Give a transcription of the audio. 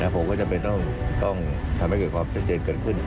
ผมก็จำเป็นต้องทำให้เกิดความชัดเจนเกิดขึ้น